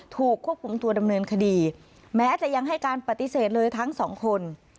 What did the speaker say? ถูกควบคุมตัวดำเนินคดีแม้จะยังให้การปฏิเสธเลยทั้งสองคน